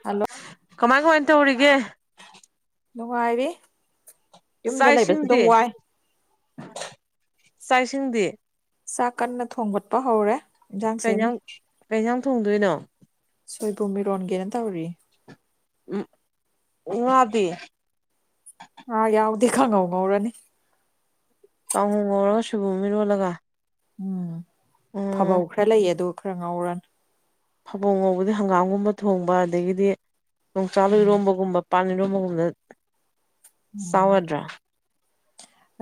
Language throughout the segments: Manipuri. ꯍꯜꯂꯣ ꯀꯃꯥꯏ ꯀꯃꯥꯏꯟ ꯇꯧꯔꯤꯒꯦ ꯅꯨꯡꯉꯥꯏꯔꯤ ꯌꯨꯝꯗ ꯆꯥꯛ ꯂꯩꯕꯁꯤ ꯗꯨꯝ ꯏꯁꯤꯡꯗꯤ ꯋꯥꯏ ꯆꯥꯛ ꯏꯁꯤꯡꯗꯤ ꯆꯥꯛ ꯀꯟꯅ ꯊꯣꯡꯒꯠꯄ ꯍꯧꯔꯦ ꯏꯟꯖꯥꯡ ꯁꯦꯝꯃꯤ ꯀꯩꯏꯟꯖꯥꯡ ꯀꯩ ꯏꯟꯖꯥꯡ ꯊꯣꯡꯗꯣꯏꯅꯣ ꯁꯣꯏꯕꯨꯝ ꯏꯔꯣꯟꯒꯦꯅ ꯇꯧꯔꯤ ꯎꯝ ꯉꯥꯗꯤ ꯉꯥ ꯌꯥꯎꯗ‌ꯦ ꯀꯪꯉꯧ ꯉꯧꯔꯅꯤ ꯀꯥꯡꯉ‌ꯣ ꯉꯧꯔꯒ ꯁꯣꯏꯕꯨꯝ ꯑꯝ ꯏꯔꯣꯜꯂꯒ ꯎꯝ ꯎꯝ ꯐꯕꯧ ꯈꯔ ꯂꯩꯌꯦ ꯑꯗꯨ ꯈꯔ ꯉꯥꯎꯔꯅꯤ ꯐꯕꯣꯡ ꯉꯧꯕꯗꯤ ꯍꯪꯒꯥꯝꯒꯨꯝꯕ ꯊꯣꯡꯕ ꯑꯗꯒꯤꯗꯤ ꯌꯣꯡꯆꯥꯛ ꯑꯝ ꯏꯔꯣꯝꯕꯒꯨꯝꯕ ꯄꯥꯟ ꯏꯔ‌ꯣꯝꯕꯒꯨꯝꯕꯗ ꯆꯥꯎ ꯌꯥꯗ꯭ꯔꯥ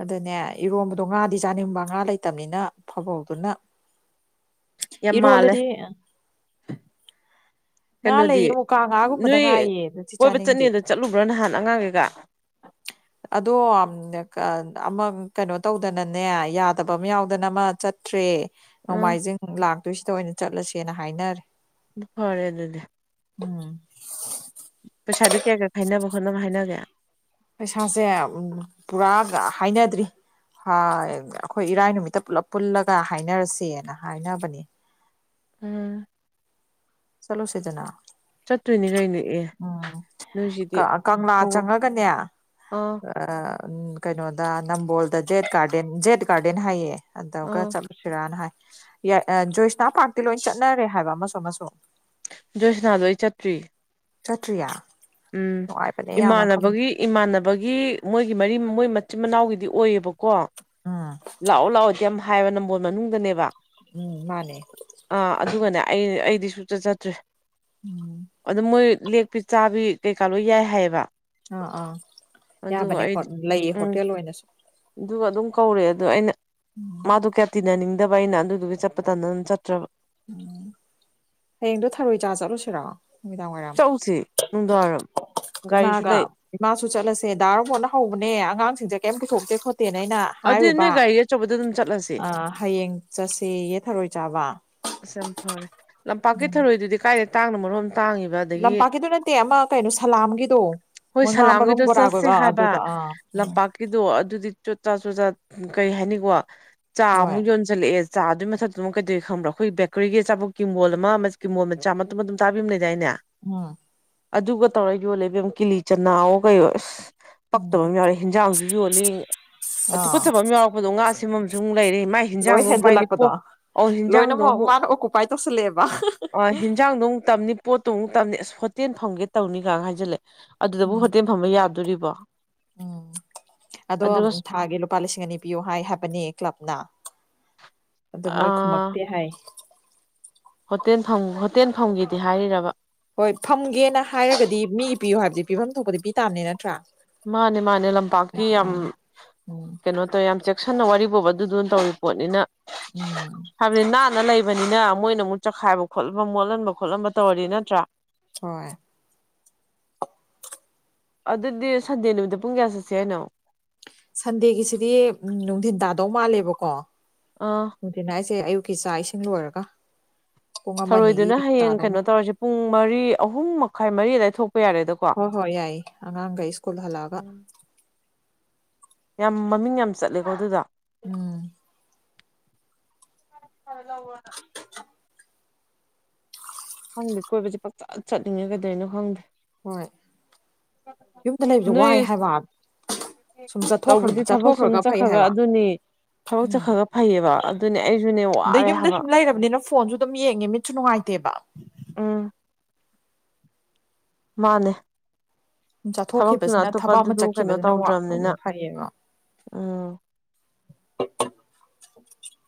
ꯑꯗꯨꯅꯦ ꯏꯔꯣꯝꯕꯗꯣ ꯉꯥꯗꯤ ꯆꯥꯅꯤꯡꯕ ꯉꯥ ꯂꯩꯇꯝꯅꯤꯅ ꯐꯕꯧꯗꯨꯅ ꯌꯥꯝ ꯃꯥꯜꯂꯦ ꯏꯔ‌ꯣꯜꯂꯗꯤ ꯑꯥ ꯉꯥ ꯀꯩꯅꯣꯗꯤ ꯂꯩꯌꯦ ꯃꯨꯀꯥ ꯉꯥꯒꯨꯝꯕꯗ ꯅꯣꯏ ꯉꯥꯏꯌꯦ ꯑꯗꯨꯗꯤ ꯀꯣꯏꯕ ꯆꯥꯅꯤꯡꯗꯦ ꯆꯠꯅꯤꯗ‌ꯣ ꯆꯠꯂꯨꯕ꯭ꯔꯥ ꯅꯍꯥꯟ ꯑꯉꯥꯡꯈꯩꯒ ꯑꯗꯣ ꯑꯃ ꯀꯩꯅꯣ ꯇꯧꯗꯅꯅꯦ ꯌꯥꯗꯕ ꯑꯃ ꯌꯥꯎꯗꯅ ꯑꯃ ꯆꯠ ꯇ꯭ꯔꯦ ꯎꯝ ꯅꯣꯡꯃꯥꯏꯖꯤꯡ ꯂꯥꯛꯇꯣꯏꯁꯤꯗ ꯑꯣꯏꯅ ꯆꯠꯂꯁꯦꯅ ꯍꯥꯏꯅꯔꯦ ꯐꯔꯦ ꯑꯗꯨꯗꯤ ꯎꯝ ꯄꯩꯁꯥꯗꯤ ꯀꯌꯥ ꯀꯌꯥ ꯈꯥꯏꯅꯕ ꯈꯣꯠꯅꯕ ꯍꯥꯏꯅꯒꯦ ꯄꯩꯁꯥꯁꯦ ꯄꯨꯔꯥ ꯍꯥꯏꯅꯗ꯭ꯔꯤ ꯍ ꯑꯩꯈꯣꯏ ꯏꯔꯥꯏ ꯅꯨꯃꯤꯠꯇ ꯄꯨꯜꯂꯞ ꯄꯨꯜꯂꯒ ꯍꯥꯏꯅꯔꯁꯦꯅ ꯍꯥꯏꯅꯕꯅꯦ ꯎꯝ ꯆꯠꯂꯨꯁ‌ꯦꯗꯅꯥ ꯆꯠꯇꯣꯏꯅꯤ ꯀꯩꯅꯣ ꯑꯦ ꯎꯝ ꯅꯣꯏꯁꯤꯗꯤ ꯀ ꯀꯪꯂꯥ ꯍꯧ ꯆꯪꯉꯒꯅꯦ ꯑꯥ ꯑꯥ ꯎꯝ ꯀꯩꯅꯣꯗ ꯅꯝꯕꯣꯜꯗ ꯖꯦꯠ ꯒꯥꯔꯗꯦꯟ ꯖꯦꯠ ꯒꯥꯔꯗꯦꯟ ꯍꯥꯏꯌꯦ ꯑꯗꯒ ꯑꯥ ꯆꯠꯂ ꯁꯤꯔꯥꯅ ꯍꯥꯏ ꯌ ꯖꯣꯏꯁꯅꯥ ꯄꯥꯔꯛꯇꯤ ꯂꯣꯏ ꯆꯠꯅꯔꯦ ꯍꯥꯏꯕ ꯑꯃꯁꯨ ꯑꯃꯁꯨ ꯖꯣꯏꯁꯅꯥꯗꯣ ꯑꯩ ꯆꯠꯇ꯭ꯔꯤ ꯆꯇ꯭ꯔꯤꯌꯥ ꯎꯝ ꯏꯃꯥꯟꯅꯕꯒꯤ ꯏꯃꯥꯟꯅꯕꯒꯤ ꯃꯣꯏꯒꯤ ꯃꯔꯤ ꯃꯣꯏ ꯃꯆꯤꯟ ꯃꯅꯥꯎꯒꯤꯗꯤ ꯑꯣꯏꯌꯦꯕꯀꯣ ꯎꯝ ꯂꯥꯛꯑꯣ ꯂꯥꯛꯑꯣꯗꯤ ꯌꯥꯝ ꯍꯥꯏꯕ ꯅꯝꯕꯣꯜ ꯃꯅꯨꯡꯗꯅꯦꯕ ꯎꯝ ꯃꯥꯅꯦ ꯑꯥ ꯑꯗꯨꯒꯅꯦ ꯑꯩ ꯑꯩꯗꯤ ꯁꯨꯡꯆꯠ ꯆꯠꯇ꯭ꯔꯦ ꯎꯝ ꯑꯗꯨ ꯃꯣꯏ ꯂꯦꯛ ꯄꯤꯆꯥꯕꯤ ꯀꯩꯀꯥ ꯂꯣꯏ ꯌꯥꯏ ꯍꯥꯏꯌꯦꯕ ꯑꯥ ꯑꯥ ꯑꯗꯨꯒ ꯌꯥꯕꯅꯦ ꯑꯩꯗꯤ ꯂꯩꯌꯦ ꯎꯝ ꯍꯣꯇꯦꯜ ꯑꯣꯏꯅꯁꯨ ꯑꯗꯨꯒ ꯑꯗꯨꯝ ꯀꯧꯔꯦ ꯑꯗꯣ ꯑꯩꯅ ꯃꯥꯗꯣ ꯀꯌꯥ ꯇꯤꯟꯅꯅꯤꯡꯗꯦ ꯗꯕ ꯑꯩꯅ ꯑꯗꯨꯗꯨꯒꯤ ꯆꯠꯄ ꯇꯟꯗꯅ ꯑꯗꯨꯝ ꯆꯠꯇ꯭ꯔꯕ ꯍꯌꯦꯡꯗꯣ ꯊꯔꯣꯏ ꯆꯥ ꯆꯠꯂꯨꯁꯤꯔꯣ ꯅꯨꯃꯤꯗꯥꯡ ꯋꯥꯏꯔꯝ ꯁꯦ ꯅꯨꯡꯗꯥꯡꯋꯥꯏꯔꯝ ꯒꯥꯔꯤꯁꯨ ꯏꯃꯥꯒ ꯂꯩ ꯏꯃꯥꯁꯨ ꯆꯠꯂꯁꯦ ꯗꯥꯔꯝ ꯍꯣꯠꯅ ꯍꯧꯕꯅꯦ ꯑꯉꯥꯡꯁꯤꯡꯁꯦ ꯀꯩꯝ ꯄꯨꯊꯣꯛꯇꯦ ꯈꯣꯠꯇꯦꯅ ꯑꯩꯅ ꯑꯗꯨꯗꯤ ꯍꯥꯏꯔꯨꯕ ꯅꯣꯏ ꯒꯥꯔꯤ ꯑꯆꯧꯕꯗ ꯑꯗꯨꯝ ꯆꯠꯂꯁꯤ ꯍꯌꯦꯡ ꯆꯠꯁꯦꯌꯦ ꯊꯔꯣꯏ ꯆꯥꯕ ꯑꯁ ꯌꯥꯝ ꯐꯔꯦ ꯂꯝꯄꯥꯛꯀꯤ ꯊꯧꯔꯣꯏꯗꯨꯗꯤ ꯀꯥꯏꯗ ꯇꯥꯡꯅ ꯃꯔꯣꯝ ꯇꯥꯡꯉꯤꯕ ꯑꯗꯒꯤ ꯂꯝꯄꯥꯛꯀꯤꯗ‌ꯣ ꯅꯠꯇꯦ ꯑꯃ ꯀꯩꯅꯣ ꯁꯂꯥꯝꯒꯤꯗꯣ ꯍꯣꯏ ꯃꯣꯏ ꯉꯥ ꯃꯔꯨꯝ ꯁꯂꯥꯝꯒꯤꯗꯣ ꯕꯣꯔꯥꯒ ꯑꯣꯏꯕ ꯑꯗꯨꯗꯣ ꯑꯥ ꯎꯝ ꯒꯤꯗꯣ ꯑꯗꯨꯗꯤ ꯆꯣꯠꯆꯥ ꯆꯣꯠꯆꯥ ꯀꯩ ꯍꯥꯏꯅꯤꯀꯣ ꯍꯣꯏ ꯆꯥꯃꯨꯛ ꯌꯣꯟ ꯆꯠꯂꯛꯑꯦ ꯆꯥꯗꯨꯒꯤ ꯃꯊꯛꯇꯃꯨꯛ ꯀꯩꯗꯩ ꯈꯪꯕ꯭ꯔ‌ꯥ ꯑꯩꯈꯣꯏ ꯕꯦꯀꯔꯤꯒꯤ ꯑꯆꯥꯄ‌ꯣꯠ ꯀꯤꯡꯕꯣꯜ ꯑꯃ ꯀꯤꯡꯕꯣꯜ ꯃꯆꯥ ꯃꯇꯨꯝ ꯃꯇꯨꯝ ꯇꯥꯕꯤꯝ ꯂꯩꯗꯥꯏꯅꯦ ꯎꯝ ꯑꯗꯨꯒ ꯇꯧꯔ ꯌꯣꯜꯂ‌ꯦ ꯏꯕꯦꯝ ꯀꯤꯂꯤ ꯆꯅꯥꯑꯣ ꯀꯩꯑꯣ ꯏꯁ ꯎꯝ ꯄꯛꯇꯕ ꯑꯃ ꯌꯥꯎꯔ‌ꯦ ꯍ‌ꯦꯟꯖꯥꯡꯁꯨ ꯌꯣꯜꯂꯤ ꯑ ꯑꯥ ꯇꯨꯀꯨꯠꯆꯕꯝ ꯌꯥꯎꯔꯛꯄꯗꯣ ꯉꯥꯥ ꯁ‌ꯦꯝꯕꯝꯁꯨꯃꯨꯛ ꯂꯩꯔꯤ ꯂꯣꯏ ꯍꯦꯟꯖꯜꯂꯛꯄꯗꯣ ꯍꯤꯟꯖꯥꯡꯗꯣ ꯂꯣꯏꯅꯃꯛ ꯃꯥꯅ ꯑꯣꯀꯨꯄꯥꯏ ꯇꯧꯁꯜꯂꯛꯑꯦꯕ ꯑ ꯍꯤꯟꯖꯥꯡꯗꯣ ꯑꯃꯨꯛ ꯇꯝꯅꯤ ꯄꯣꯠꯇꯨ ꯑꯃꯨꯛ ꯇꯝꯅꯤ ꯑꯁ ꯍꯣꯇꯦꯜ ꯐꯪꯒꯦ ꯇꯧꯅꯤꯒꯥꯏ ꯍꯥꯏꯖꯜꯂꯦ ꯑꯗꯨꯗꯕꯨ ꯎꯝ ꯍꯣꯇꯦꯜ ꯐꯝꯕ ꯌꯥꯗꯣꯔꯤꯕꯣ ꯎꯝ ꯑꯗꯣ ꯑꯗꯨꯒ ꯊꯥꯒꯤ ꯂꯨꯄꯥ ꯂꯤꯁꯤꯡ ꯑꯅꯤ ꯄꯤꯌꯣ ꯍꯥꯏ ꯍꯥꯏꯕꯅꯦ ꯀ꯭ꯂꯕꯅ ꯑꯗꯣ ꯃꯣꯏ ꯑ ꯈꯨꯝꯃꯛꯇꯦ ꯍꯥꯏ ꯍꯣꯇꯦꯜ ꯐꯝ ꯍꯣꯇꯦꯜ ꯐꯝꯒꯦꯗꯤ ꯍꯥꯏꯔꯤꯔꯕ ꯍꯣꯏ ꯐꯝꯒꯦꯅ ꯍꯥꯏꯔꯒꯗꯤ ꯃꯤꯒꯤ ꯄꯤꯌꯨ ꯍꯥꯏꯕꯗꯤ ꯄꯤꯐꯝ ꯊꯣꯛꯄꯗꯤ ꯄꯤ ꯇꯥꯕꯅꯦ ꯅꯠꯇ꯭ꯔꯥ ꯃꯥꯅꯦ ꯃꯥꯅꯦ ꯂꯝꯄꯥꯛꯇꯤ ꯌꯥꯝ ꯎꯝ ꯎꯝ ꯀꯩꯅꯣ ꯇꯧꯋꯦ ꯌꯥꯝ ꯉꯥꯛꯁꯟꯅ ꯋꯥꯔꯤ ꯕꯣꯕ ꯑꯗꯨꯗꯨꯅ ꯇꯧꯔꯤ ꯄꯣꯠꯅꯤꯅ ꯍꯥꯏꯕꯅꯤ ꯥꯂꯩꯕꯅꯤꯅ ꯃꯣꯏꯅ ꯑꯃꯨꯛ ꯆꯈꯥꯏꯕ ꯈꯣꯠꯂꯝꯕ ꯃꯣꯠꯍꯟꯕ ꯈꯣꯠꯍꯟꯕ ꯇꯧꯔꯗꯤ ꯅꯠꯇ꯭ꯔꯥ ꯍꯣꯏ ꯑꯗꯨꯗꯤ ꯁꯟꯗꯦ ꯅꯨꯃꯤꯠꯇ ꯄꯨꯡ ꯀꯌꯥ ꯆꯠꯁꯦ ꯍꯥꯏꯅꯣ ꯁꯟꯗꯦꯒꯤꯁꯤꯗꯤ ꯅꯨꯡꯊꯤꯟ ꯇꯥꯗꯧ ꯃꯥꯜꯂꯦꯕꯀꯣ ꯑꯥ ꯅꯨꯡꯊꯤꯅ ꯍꯥꯏꯁꯦ ꯑꯌꯨꯛꯀꯤ ꯆꯥꯛ ꯏꯁꯤꯡ ꯂꯣꯏꯔꯒ ꯄꯨꯡ ꯑꯃ ꯑꯅꯤꯒꯤ ꯊꯧꯔꯣꯏꯗꯨꯅ ꯍꯌꯦꯡ ꯇꯥꯗꯧꯃ ꯀꯩꯅꯣ ꯇꯧꯔꯁꯦ ꯄꯨꯡ ꯃꯔꯤ ꯑꯍꯨꯝ ꯃꯈꯥꯏ ꯃꯔꯤ ꯑꯗꯨꯋꯥꯏ ꯊꯣꯛꯄ ꯌꯥꯔꯦꯗ ꯍꯣꯏ ꯍꯣꯏ ꯌꯥꯏꯌꯦ ꯑꯉꯥꯡꯈꯩ ꯁ꯭ꯀꯨꯜ ꯍꯜꯂꯛꯑꯒ ꯌꯥꯝ ꯃꯃꯤꯡ ꯌꯥꯝ ꯆꯠꯂꯦꯀꯣ ꯑꯗꯨꯗꯣ ꯎꯝ ꯔ ꯂꯧꯧꯕꯅ [unintelligible] ꯈꯪꯗꯦ ꯀꯣꯏꯕꯕꯁꯦ ꯄꯪꯆꯠ ꯆꯠꯅꯤꯡꯉꯦ ꯀꯩꯗꯧꯏꯅꯣ ꯈꯪꯗꯦ ꯍꯣꯏ ꯌꯨꯝꯗ ꯂꯩꯕꯁꯦ ꯋꯥꯏ ꯅꯣꯏ ꯍꯥꯏꯕ ꯁꯨꯝ ꯇꯧꯕꯗꯤ ꯊꯕꯛ ꯁꯨꯝ ꯆꯠꯊꯣꯛꯈ꯭ꯔꯒ ꯐꯩ ꯆꯠꯈ꯭ꯔꯒ ꯍꯥꯏꯕ ꯑꯗꯨꯅꯤ ꯊꯕꯛ ꯎꯝ ꯆꯠꯈ꯭ꯔꯒ ꯐꯩꯌꯦꯕ ꯑꯗꯨꯅꯦ ꯑꯩꯁꯨꯅꯦ ꯑꯗꯩ ꯋꯥꯔꯦ ꯌꯨꯝꯗ ꯍꯥꯏꯕ ꯁꯨꯝ ꯂꯩꯔꯕꯅꯤꯅ ꯐꯣꯟꯁꯨ ꯑꯗꯨꯝ ꯌꯦꯡꯉꯦ ꯃꯤꯠꯁꯨ ꯅꯨꯡꯉꯥꯏꯇꯦꯕ ꯎꯝ ꯃꯥꯅꯦ ꯁꯨꯝ ꯊꯕꯛꯇꯨꯅ ꯆꯠꯊꯣꯛꯈꯤꯕꯁꯤꯅ ꯑꯇꯣꯞꯄ ꯊꯕꯛ ꯑꯃ ꯑꯗꯨꯗꯨ ꯀꯩꯅꯣ ꯆꯠꯈꯤꯕꯁꯤꯅ ꯋꯥ ꯇꯧꯗ꯭ꯔꯕꯅꯤꯅ ꯎꯝ, ꯐꯩꯌꯦꯕ ꯎꯝ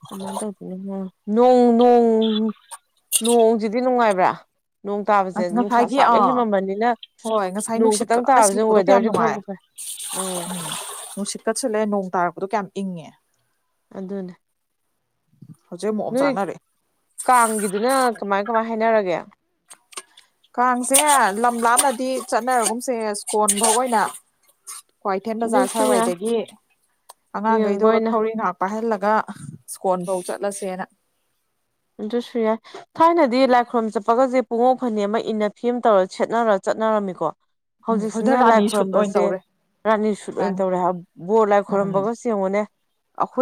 ꯑꯗꯨꯃꯥꯏꯅ ꯇꯧꯗꯅ ꯅꯣꯡ ꯅꯣꯡ ꯅꯣꯡꯁꯤꯗꯤ ꯅꯨꯡꯉꯥꯏꯕ꯭ꯔꯥ ꯅꯣꯡ ꯇꯥꯕꯁꯦ ꯑꯁ ꯅꯨꯡꯁꯥ ꯉꯁꯥꯏꯒꯤ ꯁꯥꯕ ꯑꯥ ꯍꯦꯟꯃꯟꯕꯅꯤꯅ ꯍꯣꯏ ꯉꯁꯥꯏ ꯅꯣꯡ ꯈꯤꯇꯪ ꯇꯥꯕꯁꯦ ꯋꯦꯗꯔꯁꯦ ꯈꯔꯕꯨ ꯐꯩ ꯎꯝ ꯅꯨꯡꯁꯤꯠꯀꯠꯁꯤꯜꯂꯦ ꯅꯣꯡ ꯇꯥꯔꯛꯄꯗꯣ ꯀꯌꯥꯝ ꯏꯪꯉꯤ ꯑꯗꯨꯅꯦ ꯑꯃꯨꯛ ꯑꯣꯝ ꯅꯣꯏ ꯆꯥꯛꯅꯔꯦ ꯀꯥꯡꯒꯤꯗꯨꯅ ꯀꯃꯥꯏ ꯀꯃꯥꯏ ꯍꯥꯏꯅꯔꯒꯦ ꯀꯥꯡꯁꯦ ꯂꯝ ꯂꯥꯞꯅꯗꯤ ꯆꯠꯅꯔꯒꯨꯝꯁꯦ ꯁꯀꯣꯟꯕꯧ ꯑꯣꯏꯅ ꯀ꯭ꯋꯥꯏꯊꯦꯟ ꯕꯖꯔ ꯑꯗꯨꯁꯨ ꯌꯥꯏ ꯁꯋꯥꯏꯋꯥꯏꯗꯒꯤ ꯑꯉꯥꯡꯈꯩꯗꯣ ꯌꯦꯡꯕ ꯑꯣꯏꯅ ꯊꯧꯔꯤ ꯉꯥꯛ ꯄꯥꯏꯍꯜꯂꯒ ꯁꯀꯣꯟꯐꯧ ꯆꯠꯂꯁꯦꯅ ꯑꯗꯨꯁꯨꯌꯥꯏ ꯊꯥꯏꯅꯗꯤ ꯂꯥꯏꯈꯨꯔꯨꯝ ꯆꯠꯄꯒꯁꯦ ꯄꯨꯡꯉꯧ ꯐꯅꯦꯛ ꯑꯃ ꯏꯟꯅ ꯐꯤꯝ ꯇꯧꯔ ꯁꯦꯠꯅꯔ ꯆꯠꯅꯔꯝꯃꯤꯀꯣ ꯎꯝ ꯍꯧꯖꯤꯛꯅ ꯍꯧꯖꯤꯛꯁꯤꯅ ꯂꯥꯏ ꯔꯥꯅꯤ ꯁꯨꯠ ꯑꯣꯏꯅ ꯈꯣꯏꯔꯝꯕꯁꯦ ꯇꯧꯔꯦ ꯔꯥꯅꯤ ꯁꯨꯠ ꯑꯣꯏꯅ ꯔꯥꯅꯤ ꯇꯧꯔꯦ ꯍꯥꯏ ꯕꯣꯔ ꯂꯥꯏ ꯎꯝ ꯈꯣꯏꯔꯝꯕꯒꯁꯦ ꯌꯦꯉꯨꯅꯦ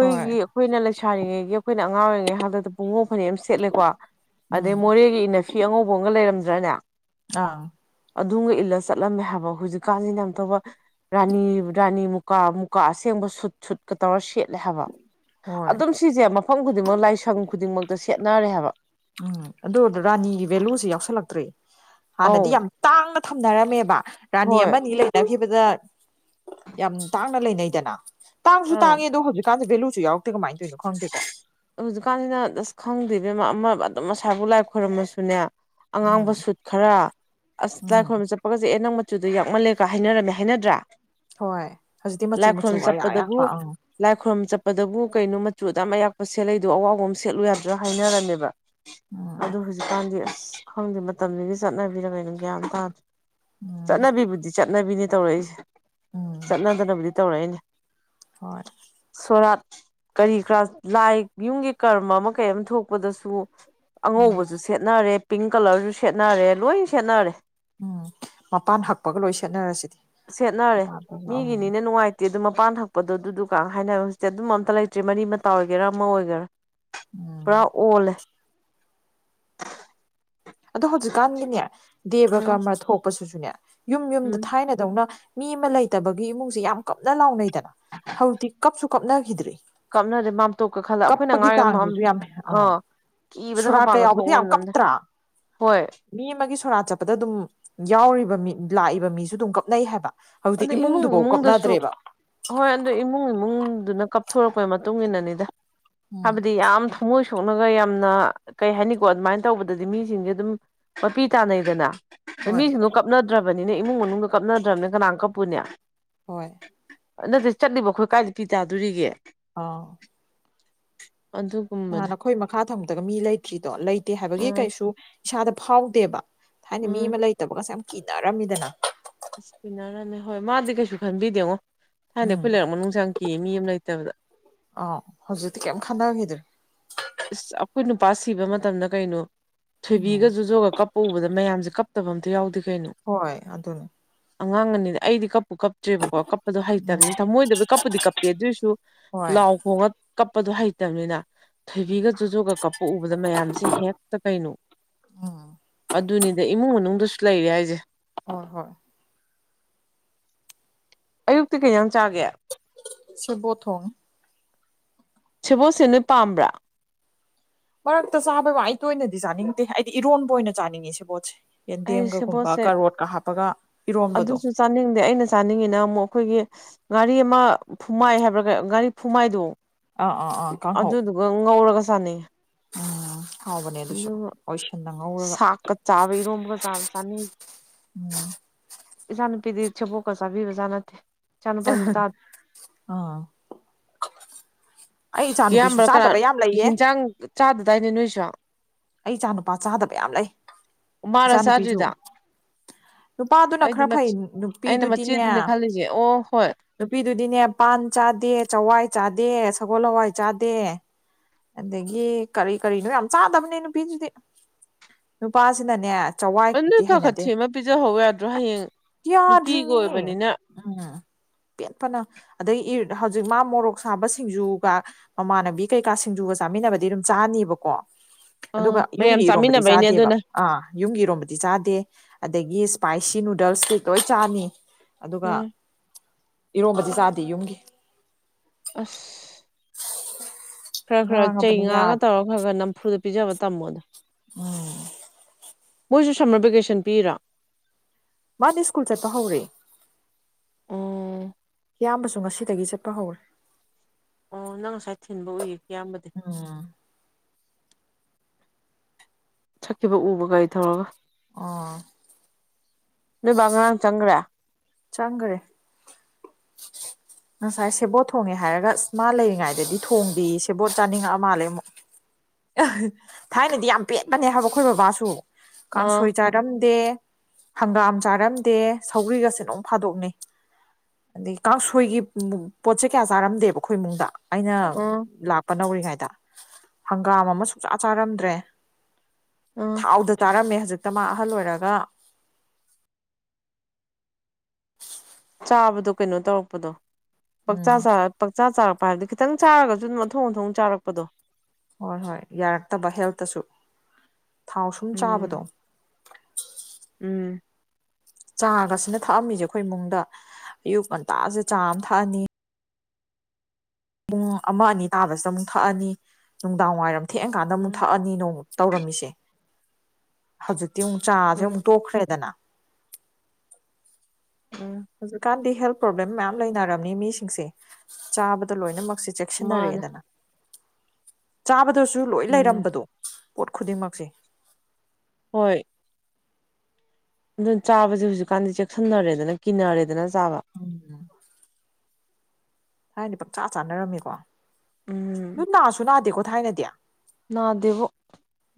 ꯍꯣꯏ ꯑꯩꯈꯣꯏꯅ ꯂꯩꯁꯥꯔꯤꯉꯩꯒꯤ ꯑꯩꯈꯣꯏꯅ ꯑꯉꯥꯡ ꯑꯣꯏꯔꯤꯉꯩ ꯍꯥꯛꯇꯛꯇ ꯄꯨꯡꯉꯧꯐꯅꯦꯛ ꯑꯃ ꯁꯦꯠꯂꯦꯀꯣ ꯑꯗꯩ ꯎꯝ ꯃꯣꯔꯦꯒꯤ ꯏꯅꯐ ꯐꯤ ꯑꯉꯧꯕ ꯑꯃꯒ ꯂꯩꯔꯝꯗ꯭ꯔꯅꯦ ꯑꯥ ꯑꯗꯨꯒ ꯏꯜꯂ ꯆꯠꯂꯝꯃꯦ ꯍꯥꯏꯕ ꯍꯧꯖꯤꯛꯀꯥꯟꯁꯤꯅ ꯑꯝꯇꯣꯏꯕ ꯔꯥꯅꯤ ꯔꯥꯅꯤ ꯃꯨꯀꯥ ꯃꯨꯀꯥ ꯑꯁꯦꯡꯕ ꯁꯨꯠ ꯁꯨꯠ ꯀ ꯇꯧꯔ ꯁꯦꯠꯂꯦ ꯍꯥꯏꯕ ꯍꯣꯏ ꯑꯗꯨꯝ ꯁꯤꯁꯦ ꯃꯐꯝ ꯈꯨꯗꯤꯡꯃꯛ ꯂꯥꯏꯁꯪ ꯈꯨꯗꯤꯡꯃꯛꯇ ꯁꯦꯠꯅꯔꯦ ꯍꯥꯏꯕ ꯎꯝ ꯑꯗꯨ ꯔꯥꯅꯤꯒꯤ ꯚꯦꯂꯨꯁꯦ ꯌꯥꯎꯁꯜꯂꯛꯇ꯭ꯔꯦ ꯍꯥꯟꯅꯗꯤ ꯑꯧ ꯌꯥꯝ ꯇꯥꯡꯅ ꯊꯝꯅꯔꯝꯃꯦꯕ ꯔꯥꯅꯤ ꯍꯣꯏ ꯑꯃꯅꯤ ꯂꯩ ꯈꯤꯕꯗ ꯌꯥꯝ ꯇꯥꯡꯅ ꯂꯩꯅꯩꯗꯅ ꯇꯥꯡꯁꯨ ꯑꯥ ꯇꯥꯡꯉꯤ ꯑꯗꯣ ꯍꯧꯖꯤꯛ ꯀꯥꯟꯗ ꯕꯦꯂꯨꯁꯨ ꯌꯥꯎꯔꯛꯇꯦ ꯀꯃꯥꯏꯅ ꯇꯧꯏꯅꯣ ꯈꯪꯗꯦꯀꯣ ꯍꯧꯖꯤꯛꯀꯥꯟꯁꯤꯅ ꯑꯁ ꯈꯪꯗꯦꯗꯅ ꯑꯃ ꯑꯗꯨꯝ ꯃꯁꯥꯏꯕꯨ ꯂꯥꯏ ꯈꯣꯏꯔꯝꯃꯁꯨꯅꯦ ꯑꯉꯥꯡꯕ ꯎꯝ ꯁꯨꯠ ꯈꯔ ꯑꯁ ꯎꯝ ꯂꯥꯏꯈꯣꯏꯔꯝꯕ ꯆꯠꯄꯒꯁꯦ ꯑꯦ ꯅꯪ ꯃꯠ ꯆꯨꯗ ꯌꯥꯛꯃꯜꯂꯦꯒ ꯍꯥꯏꯅꯔꯝꯃꯦ ꯍꯥꯏꯅꯗ꯭ꯔꯥ ꯍꯣꯏ ꯍꯧꯖꯤꯛꯇꯤ ꯃꯆꯨ ꯂꯥꯏ ꯃꯆꯨ ꯈꯣꯏꯔꯝ ꯑꯌꯥꯛ ꯑꯌꯥꯛꯄ ꯆꯠꯄꯗꯕꯨ ꯑꯪ ꯂꯥꯏ ꯈꯣꯏꯔꯨꯝ ꯆꯠꯄꯗꯕꯨ ꯀꯩꯅꯣ ꯃꯆꯨ ꯑꯗꯥꯝ ꯑꯌꯥꯛꯄ ꯁꯦꯠꯂꯛꯏꯗꯣ ꯑꯋꯥꯎꯕ ꯑꯃ ꯁꯦꯠꯂꯨ ꯌꯥꯗ꯭ꯔꯥ ꯍꯥꯏꯅꯔꯝꯃꯦꯕ ꯎꯝ ꯑꯗꯨ ꯍꯨꯖꯤꯛꯀꯥꯟꯗꯤ ꯑꯁ ꯈꯪꯗꯦ ꯃꯇꯝꯗꯨꯒꯤ ꯆꯠꯅꯕꯤꯔ ꯀꯩꯅꯣ ꯂꯒ꯭ꯌꯥꯟ ꯇꯥꯗ꯭ꯔꯦ ꯎꯝ ꯆꯠꯅꯕꯤꯕꯨꯗꯤ ꯆꯠꯅꯕꯤꯅꯦ ꯇꯧꯔꯛꯏꯁꯦ ꯎꯝ ꯆꯠꯅꯗꯅꯕꯨꯗꯤ ꯇꯧꯔꯛꯏꯅꯦ ꯍꯣꯏ ꯁꯣꯔꯥꯠ ꯀꯔꯤ ꯀꯔꯥꯁ ꯂꯥꯏ ꯌꯨꯝꯒꯤ ꯀꯔꯃ ꯑꯃ ꯀꯩ ꯑꯃ ꯊꯣꯛꯄꯗꯁꯨ ꯑꯉꯧꯕꯁꯨ ꯁꯦꯠꯅꯔꯦ ꯄꯤꯡ ꯀꯂꯔꯁꯨ ꯁꯦꯠꯅꯔꯦ ꯂꯣꯏ ꯁꯦꯠꯅꯔꯦ ꯎꯝ ꯃꯄꯥꯟ ꯍꯛꯄꯒ ꯂꯣꯏ ꯁꯦꯠꯅꯔꯁꯤꯗꯤ ꯁꯦꯠꯅꯔꯦ ꯎꯝ ꯃꯤꯒꯤꯅꯤꯅ ꯅꯨꯡꯉꯥꯏ ꯇꯤ ꯑꯗꯨ ꯃꯄꯥꯟ ꯍꯛꯄꯗꯣ ꯑꯗꯨꯗꯨꯗꯨꯀꯥ ꯍꯥꯏꯅꯕ ꯍꯧꯖꯤꯛꯇꯤ ꯑꯗꯨꯝ ꯑꯝꯇ ꯂꯩꯇ꯭ꯔꯦ ꯃꯔꯤ ꯃꯇꯥ ꯑꯣꯏꯒꯦꯔꯥ ꯑꯃ ꯑꯣꯏꯒꯦꯔꯥ ꯎꯝ ꯄꯨꯔ ꯑꯣꯜꯂꯦ ꯑꯗꯣ ꯍꯧꯖꯤꯛꯀꯥꯟꯒꯤꯅꯦ ꯗꯦꯕ ꯎꯝ ꯀꯔꯃ ꯊꯣꯛꯄꯁꯤꯁꯨꯅꯦ ꯌꯨꯝ ꯌꯨꯝꯗ ꯎꯝ ꯊꯥꯏꯅ ꯗꯧꯅ ꯃꯤ ꯑꯃ ꯂꯩꯇꯕꯒꯤ ꯏꯃꯨꯡꯁꯦ ꯌꯥꯝ ꯀꯞꯅ ꯂꯥꯎꯅꯩꯗꯅ ꯍꯧꯖꯤꯛ ꯀꯞꯁꯨ ꯀꯞꯅꯈꯤꯗ꯭ꯔꯤ ꯀꯞꯅꯗꯔꯦ ꯃꯥꯝꯇꯣꯛꯀ ꯈꯜꯂ ꯑꯩꯈꯣꯏꯅ ꯑꯉꯥꯡ ꯀꯞꯄꯒꯤ ꯑꯣꯏꯔꯤꯉꯩ ꯃꯝ ꯆꯥꯡꯁꯤꯁꯨ ꯌꯥꯝ ꯑꯥ ꯀꯤꯕꯗ ꯁꯣꯔꯥꯠꯀ ꯃꯄꯥꯟꯒ ꯊꯣꯛ ꯌꯥꯎꯕꯁꯦ ꯌꯥꯝ ꯉꯝꯗꯥꯃꯤꯗ ꯀꯞꯇ꯭ꯔꯥ ꯍꯣꯏ ꯃꯤ ꯑꯃꯒꯤ ꯁꯣꯔꯥꯠ ꯆꯠꯄꯗ ꯑꯗꯨꯝ ꯌꯥꯎꯔꯤꯕ ꯃꯤ ꯂꯥꯛꯏꯕ ꯃꯤꯁꯨ ꯑꯗꯨꯝ ꯀꯞꯅꯩ ꯍꯥꯏꯕ ꯍꯧꯖꯤꯇꯤ ꯑꯗ ꯏꯃꯨꯡ ꯏꯃꯨꯡꯗꯨꯐꯥꯎ ꯏꯃꯨꯡꯗꯁꯨ ꯀꯞꯅꯗ꯭ꯔꯦꯕ ꯍꯣꯏ ꯑꯗꯨ ꯏꯃꯨꯡ ꯏꯃꯨꯡꯗꯨꯅ ꯀꯞꯊꯣꯔꯛꯄꯩ ꯃꯇꯨꯡ ꯏꯟꯅꯅꯤꯗ ꯎꯝ ꯍꯥꯏꯕꯗꯤ ꯌꯥꯝ ꯊꯨꯡꯃꯣꯏ ꯁꯣꯛꯅꯒ ꯌꯥꯝꯅ ꯀꯩ ꯍꯥꯏꯅꯤꯀꯣ ꯑꯗꯨꯃꯥꯏꯅ ꯇꯧꯕꯗꯗꯤ ꯃꯤꯁꯤꯡꯁꯦ ꯑꯗꯨꯝ ꯃꯄꯤ ꯇꯥꯟꯅꯩꯗꯅ ꯗꯩꯩ ꯍꯣꯏ ꯃꯤꯁꯤꯡꯗꯣ ꯀꯞꯅꯗ꯭ꯔꯕꯅꯤꯅꯦ ꯏꯃꯨꯡ ꯃꯅꯨꯡꯗ ꯀꯞꯅꯗ꯭ꯔꯕꯅꯤ ꯀꯅꯥꯅ ꯀꯞꯄꯨꯅꯤ ꯍꯣꯏ ꯅꯠꯇꯦ ꯆꯠꯂꯤꯕ ꯑꯩꯈꯣꯏ ꯀꯥꯏꯗ ꯄꯤ ꯇꯥꯗꯣꯔꯤꯒꯦ ꯑ ꯑꯗꯨ ꯅꯍꯥꯟ ꯅꯈꯣꯏ ꯃꯈꯥ ꯊꯡꯕꯥꯗꯒ ꯃꯤ ꯂꯩꯇ꯭ꯔꯤꯗꯣ ꯂꯩꯇꯦ ꯍꯥꯏꯕꯒꯤ ꯎꯝ ꯀꯩꯁꯨ ꯏꯁꯥꯗ ꯐꯥꯎꯗꯦꯕ ꯊꯥꯏꯟꯗꯤ ꯃꯤ ꯎꯝ ꯑꯃ ꯂꯩꯇꯕꯒꯁꯦ ꯌꯥꯝ ꯀꯤꯅꯔꯝꯃꯤꯗꯅ ꯏꯁꯄꯤꯟꯅꯔꯅꯦ ꯍꯣꯏ ꯃꯥꯗꯤ ꯀꯩꯁꯨ ꯈꯟꯕꯤꯗꯦꯉꯣ ꯊꯥꯏꯟꯗꯤ ꯎꯝ ꯑꯩꯈꯣꯏ ꯂꯩꯔꯛ ꯃꯅꯨꯡ ꯆꯪ ꯀꯤꯌꯦ ꯃꯤ ꯑꯃ ꯂꯩꯇꯕꯗ ꯑ ꯍꯧꯖꯤꯛꯇꯤ ꯀꯩꯝ ꯈꯟꯅꯈꯤꯗ꯭ꯔꯦ ꯏꯁ ꯑꯩꯈꯣꯏ ꯅꯨꯄꯥ ꯁꯤꯕ ꯃꯇꯝꯗ ꯀꯩꯅꯣ ꯎꯝ ꯊꯣꯏꯕꯤꯒ ꯨꯖꯣꯖꯣꯒ ꯀꯞ ꯄꯨꯕꯗ ꯃꯌꯥꯝꯁꯦ ꯀꯞꯇꯕ ꯑꯝꯇ ꯌꯥꯎꯗꯦ ꯀꯩꯅꯣ ꯍꯣꯏ ꯑꯗꯨꯅꯦ ꯑꯉꯥꯡ ꯑꯅꯤꯗ ꯑꯩꯗꯤ ꯀꯥꯞ꯫ ꯀꯞꯇ꯭ꯔꯦꯕꯀꯣ ꯀꯞꯄꯗꯣ ꯎꯝ ꯍꯩꯇꯕꯅꯤꯅ ꯊꯃꯣꯏꯗꯕꯨ ꯀꯞꯄꯨꯗꯤ ꯀꯞꯄꯦ ꯑꯗꯨꯑꯣꯏꯁꯨ ꯍꯣꯏ ꯂꯥꯎ ꯈꯣꯡꯉ꯫ ꯀꯞꯄꯗꯣ ꯍꯩꯇꯕꯅꯤꯅ꯫ ꯊꯣꯏꯕꯤꯒ ꯖꯣꯖꯣꯒ ꯀꯞꯄ ꯎꯕꯗ ꯃꯌꯥꯝꯁꯦ ꯍꯦꯛꯇ ꯀꯩꯅꯣ꯫ ꯎꯝ ꯑꯗꯨꯅꯤꯗ ꯏꯃꯨꯡ ꯃꯅꯨꯡꯗꯁꯨ ꯂꯩꯔꯦ ꯍꯥꯏꯁꯦ꯫ ꯍꯣꯏ ꯍꯣꯏ꯫ ꯑꯌꯨꯛꯇ ꯀꯩ ꯏꯟꯁꯥꯡꯆꯥꯒꯦ꯫ ꯁꯦꯕꯣꯠ ꯊꯣꯡꯉꯦ ꯁꯦꯕꯣꯠꯁꯦ ꯅꯣꯏ ꯄꯥꯝꯕ꯭ꯔꯥ ꯃꯔꯛꯇ ꯆꯥꯕꯩ ꯋꯥ ꯑꯩ ꯇꯣꯏꯅꯗꯤ ꯆꯥꯅꯤꯡꯇꯦ ꯑꯩꯗꯤ ꯏꯔꯣꯟꯕ ꯑꯣꯏꯅ ꯆꯥꯅꯤꯡꯉꯤ ꯁꯦꯕꯣꯠꯁꯦ ꯑꯩ ꯌꯦꯟꯗꯦꯝꯒꯒꯨꯝꯕ ꯁꯦꯕꯣꯠꯁꯦ ꯀꯥꯔꯣꯠꯀ ꯍꯥꯞꯄꯒ ꯏꯔꯣꯟꯕꯗꯣ ꯑꯗꯨꯁꯨ ꯆꯥꯅꯤꯡꯗꯦ ꯑꯩꯅ ꯆꯥꯅꯤꯡꯉꯤꯅ ꯑꯃꯨꯛ ꯑꯩꯈꯣꯏꯒꯤ ꯉꯥꯔꯤ ꯑꯃ ꯐꯨꯃꯥꯏ ꯍꯥꯏꯕ꯭ꯔꯒ ꯉꯥꯔꯤ ꯐꯨꯃꯥꯏꯗꯣ ꯑ ꯑ ꯑ ꯑꯗꯨꯗꯨꯒ ꯉꯧꯔꯒ ꯁꯥꯟꯅꯩ꯫ ꯑꯣ ꯍꯥꯎꯕꯅꯦ ꯑꯗꯨꯁꯨ ꯑꯣꯏꯁꯤꯟꯗ ꯉꯧꯔꯒ꯫ ꯀꯥꯞꯇ ꯍꯥꯞꯄ ꯏꯔꯣꯟꯕꯒ ꯆꯥꯕꯗꯨ ꯆꯥꯅꯤꯡ ꯎꯝ꯫ ꯏꯆꯥ ꯅꯨꯄꯤꯗꯤ ꯁꯦꯕꯣꯠꯀ ꯆꯥꯕꯤꯕꯖꯠꯅꯥꯠꯇꯦ꯫ ꯑꯥ꯫ ꯑꯩ ꯏꯆꯥꯅꯨꯄꯤꯁꯨ ꯀꯤꯌꯥꯝꯕ꯭ꯔꯥ ꯆꯥꯗꯕ ꯀꯅꯅꯣ ꯌꯥꯝ ꯂꯩꯌꯦ ꯌꯦꯟꯖꯥꯡ ꯆꯥꯗꯗꯥꯏꯅꯦ ꯅꯣꯏꯁꯣ꯫ ꯑꯩ ꯏꯆꯥ ꯅꯨꯨꯄꯥ ꯆꯥꯗꯕ ꯌꯥꯝ ꯂꯩ ꯃꯥꯔ ꯏꯆꯥ ꯅꯨꯨꯄꯤꯁꯨ꯫ ꯆꯥꯗ꯭ꯔꯤꯗꯣ ꯅꯨꯄꯥꯗꯨꯅ ꯑꯩꯗꯤ ꯈꯔ ꯐꯩ ꯃꯆꯦ ꯑꯩꯅ ꯅꯨꯄꯤꯗꯨꯗꯤꯅꯦ꯫ ꯃꯆꯦꯗꯨꯅꯦ ꯈꯜꯂꯤꯁꯦ ꯑꯣ ꯍꯣꯏ ꯅꯨꯄꯤꯗꯨꯗꯤꯅꯦ ꯄꯥꯟ ꯆꯥꯗꯦ ꯆꯋꯥꯏ ꯆꯥꯗꯦ ꯁꯒꯣꯜ ꯍꯋꯥꯏ ꯆꯥꯗꯦ꯫ ꯑꯗꯒꯤ ꯀꯔꯤ ꯀꯔꯤꯅꯣ ꯌꯥꯝ ꯆꯥꯗꯕꯅꯦ ꯅꯨꯄꯤꯗꯨꯗꯤ ꯅꯨꯄꯥꯁꯤꯅꯅꯦ꯫ ꯆꯋꯥꯏ ꯑꯗꯨ ꯀꯗꯤ ꯈꯔ ꯈꯔ ꯍꯩꯅꯗꯦ ꯊꯦꯝꯃ ꯄꯤꯖꯍꯧꯕ ꯌꯥꯗ꯭ꯔꯣ ꯍꯌꯦꯡ ꯅꯨꯄꯤꯒ ꯌꯥꯗ꯭ꯔꯤꯅꯤꯅꯦ꯫ ꯑꯣꯏꯕꯅꯤꯅ ꯎꯝ꯫ ꯄꯦꯠ ꯐꯅ ꯑꯗꯩ ꯍꯧꯖꯤꯛ ꯃꯥ ꯃꯣꯔꯣꯛ ꯁꯥꯕ ꯁꯤꯡꯖꯨꯒ ꯃꯃꯥꯟꯅꯕꯤ ꯀꯩ꯫ ꯀꯥ ꯁꯤꯡꯖꯨꯒ ꯆꯥꯃꯤꯟꯅꯕꯗꯤ ꯑꯗꯨꯝ ꯆꯥꯅꯤꯕꯀꯣ ꯑꯥ ꯑꯗꯨꯒ ꯃꯌꯥꯝ ꯌꯨꯝꯒꯤ ꯏꯔꯣꯝꯕꯗꯤ ꯆꯥꯃꯤꯟꯅꯕꯩꯅꯦ ꯆꯥꯗꯦꯕ ꯑꯗꯨꯅ ꯑꯥ꯫ ꯌꯨꯝꯒꯤꯏꯔꯣꯝꯕꯗꯤ ꯆꯥꯗꯦ ꯑꯗꯒꯤ ꯏꯁꯄꯥꯏꯁꯤ ꯅꯨꯗꯜꯁ ꯇꯤ ꯂꯣꯏ ꯆꯥꯅꯤ꯫ ꯑꯗꯨꯒ ꯎꯝ ꯏꯔꯣꯝꯕꯗꯤ ꯆꯥꯗꯦ ꯌꯨꯝꯒꯤ꯫ ꯑꯁ ꯈꯔ ꯈꯔ ꯆꯩ ꯉꯥꯡꯉꯕꯅꯤ ꯉꯥꯡꯉꯥ ꯌꯥꯗꯦ ꯇꯧꯔꯛ꯫ ꯉꯥꯒ ꯅꯝꯐꯨꯗ ꯄꯤꯖꯕ ꯇꯝꯃꯣꯗ꯫ ꯎꯝ꯫ ꯃꯣꯏꯁꯨ ꯁꯝꯃꯔ ꯕꯦꯀꯦꯁꯟ ꯄꯤꯔꯤꯔꯥ꯫ ꯃꯗꯤ ꯁꯀꯨꯜ ꯆꯠꯄ ꯍꯧꯔꯦ꯫ ꯑꯣ ꯀꯤꯌꯥꯝꯕꯁꯨ ꯉꯁꯤꯗꯒꯤ ꯆꯠꯄ ꯍꯧꯔꯦ꯫ ꯑꯣ ꯅꯪ ꯉꯁꯥꯏ ꯊꯤꯟꯕ ꯎꯏꯌꯦ ꯀꯤꯌꯥꯝꯕꯗꯤ꯫ ꯎꯝ꯫ ꯆꯠꯈꯤꯕ ꯎꯕ ꯒꯥꯔꯤ ꯊꯧꯔꯒ꯫ ꯑꯣ꯫ ꯅꯣꯏ ꯕꯥ ꯉꯔꯥꯡ ꯆꯪꯒꯔꯦ꯫ ꯆꯪꯒꯔꯦ꯫ ꯉꯁꯥꯏ ꯁꯦꯕꯣꯠ ꯊꯣꯡꯉꯦ ꯍꯥꯏꯔꯒ ꯃꯥ ꯂꯩꯔꯤꯉꯩꯗꯗꯤ ꯊꯣꯡꯗꯦ ꯁꯦꯕꯣꯠ ꯆꯥꯅꯤꯡꯉꯛꯑ ꯃꯥꯜꯂꯦ ꯑꯃꯨꯛ꯫ ꯑ ꯊꯥꯏꯅꯗꯤ ꯌꯥꯝ ꯄꯦꯠꯄꯅꯦ ꯍꯥꯏꯕ ꯑꯩꯈꯣꯏ ꯕꯕꯥꯁꯨ ꯑꯥ ꯀꯥꯡꯁꯣꯏ ꯆꯥ꯫ ꯆꯥꯔꯝꯗꯦ ꯍꯪꯒꯥꯝ ꯆꯥꯔꯝꯗꯦ ꯁꯧ꯭ꯔꯤꯒꯁꯦ ꯅꯣꯡ ꯐꯥꯗꯣꯛꯅꯤ꯫ ꯑꯗꯒꯤ ꯀꯥꯡꯁꯣꯏꯒꯤ ꯄꯣꯠꯆꯩ ꯀꯌꯥ ꯆꯥꯔꯝꯗꯦꯕ ꯑꯩꯈꯣꯏ ꯏꯃꯨꯡꯗ꯫ ꯑꯩꯅ ꯑꯥ ꯂꯥꯛꯄ ꯅꯧꯔꯤꯉꯩꯗ ꯍꯪꯒꯥꯝ ꯑꯃ ꯁꯨꯡꯆꯥ ꯆꯥꯔꯝꯗ꯭ꯔꯦ꯫ ꯑ꯫ ꯊꯥꯎꯗ ꯇꯥꯔꯝꯃꯦ ꯍꯖꯤꯛꯇ ꯃꯥ ꯑꯍꯜ ꯑꯣꯏꯔꯒ꯫ ꯆꯥꯕꯗꯣ ꯀꯩꯅꯣ ꯇꯧꯔꯛꯄꯗꯣ ꯄꯪꯆꯥ ꯎꯝ ꯆꯥꯔ ꯄꯛꯆꯥ ꯆꯥꯔꯛ ꯍꯥꯏꯕꯗꯤ ꯈꯤꯇꯪ ꯆꯥꯔꯒꯁꯨ ꯑꯗꯨꯝ ꯑꯊꯣꯡ ꯑꯊꯣꯡ ꯆꯥꯔꯛꯄꯗꯣ ꯍꯣꯏ ꯍꯣꯏ ꯌꯥꯔꯛꯇꯕ ꯍꯦꯜꯠꯇꯁꯨ ꯊꯥꯎ ꯁꯨꯝ ꯆꯥꯕꯗꯣ ꯎꯝ ꯎꯝ ꯆꯥꯒꯁꯤꯅ ꯊꯛꯑꯝꯃꯤꯁꯦ ꯑꯩꯈꯣꯏ ꯏꯃꯨꯡꯗ ꯑꯌꯨꯛ ꯉꯟꯇꯥꯁꯦ ꯆꯥ ꯑꯃ ꯊꯛꯑꯅꯤ ꯄꯨꯡ ꯑꯃ ꯑꯅꯤ ꯇꯥꯕꯁꯤꯗ ꯑꯃꯨꯛ ꯊꯛꯑꯅꯤ ꯅꯨꯡꯗꯥꯡ ꯋꯥꯏꯔꯝ ꯊꯦꯡꯑꯀꯥꯟꯗ ꯑꯃꯨꯛ ꯎꯝ ꯊꯛꯑꯅꯤ ꯅꯣꯡꯃ ꯇꯧꯔꯝꯃꯤꯁꯦ ꯍꯧꯖꯤꯛꯇꯤ ꯑꯃꯨꯛ ꯆꯥꯁꯦ ꯎꯝ ꯑꯃꯨꯛ ꯇꯣꯛꯈ꯭ꯔꯦꯗꯅ꯫ ꯎꯝ꯫ ꯍꯧꯖꯤꯛꯀꯥꯟꯗꯤ ꯍꯦꯜ ꯄ꯭ꯔꯣꯕ꯭ꯂꯦꯝ ꯃꯌꯥꯝ ꯂꯩꯅꯔꯝꯅꯤ ꯃꯤꯁꯤꯡꯁꯦ ꯆꯥꯕꯗ ꯂꯣꯏꯅꯃꯛꯁꯦ ꯆꯦꯛ ꯃꯥꯅꯦ ꯁꯥꯟꯅꯔꯛꯑꯦꯗꯅ ꯆꯥꯕꯗꯁꯨ ꯂꯣꯏ ꯎꯝ ꯂꯩꯔꯝꯕꯗꯣ ꯄꯣꯠ ꯈꯨꯗꯤꯡꯃꯛꯁꯦ꯫ ꯍꯣꯏ꯫ ꯑꯗꯨꯅ ꯆꯥꯕꯁꯦ ꯍꯧꯖꯤꯛꯀꯥꯟꯗꯤ ꯆꯦꯛꯁꯤꯟꯅꯔꯦꯗꯅ ꯀꯤꯟꯅꯔꯦꯗꯅ ꯆꯥꯕ꯫ ꯎꯝ ꯊꯥꯏꯅ ꯄꯪꯆꯥ ꯆꯥꯅꯔꯝꯃꯤꯀꯣ ꯑꯗꯨꯝ ꯅꯥꯁꯨ ꯅꯥꯗꯦꯀꯣ ꯊꯥꯏꯅꯗꯤ ꯅꯥꯗꯦꯕꯣ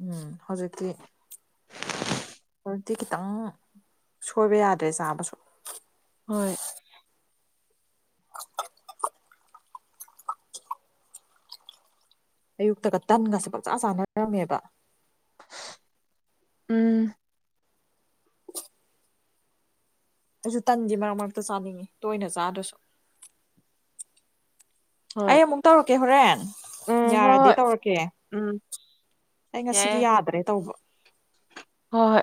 ꯎꯝ ꯍꯧꯖꯤꯛꯇꯤ ꯍꯧꯖꯤꯛꯇꯤ ꯈꯤꯇꯪ ꯁꯣꯏꯕ ꯌꯥꯗ꯭ꯔꯦ ꯆꯥꯕꯁꯨ ꯍꯣꯏ ꯑꯌꯨꯛꯇꯒ ꯇꯟꯒꯁꯦ ꯄꯥꯛꯆꯥꯥ ꯆꯥꯅꯔꯝꯃꯦꯕ ꯎꯝ ꯑꯩꯁꯨ ꯇꯟꯗꯤ ꯃꯔꯛ ꯃꯔꯛꯇ ꯆꯥꯅꯤꯡꯉꯤ ꯇꯣꯏꯅ ꯆꯥꯗ꯭ꯔꯁꯨ ꯑꯩ ꯍꯣꯏ ꯑꯃꯨꯛ ꯇꯧꯔꯛꯀꯦ ꯍꯣꯔꯦꯟ ꯎꯝ ꯍꯣꯏ ꯌꯥꯔꯗꯤ ꯍꯣꯏ ꯇꯧꯔꯛꯀꯦ ꯎꯝ ꯑꯩ ꯌꯥꯏ ꯉꯁꯤꯒꯤ ꯌꯥꯏ ꯌꯥꯗ꯭ꯔꯦ ꯇꯧꯕ ꯍꯣꯏ ꯍꯣꯏ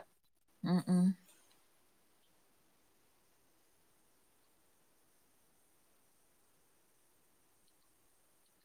ꯎꯝ ꯎꯝ